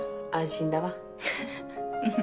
フフフ！